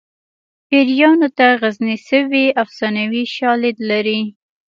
پیریانو ته غزني څه وي افسانوي شالید لري